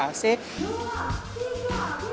dua tiga dua tiga